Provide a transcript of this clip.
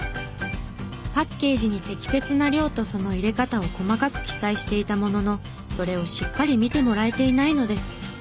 パッケージに適切な量とその入れ方を細かく記載していたもののそれをしっかり見てもらえていないのです。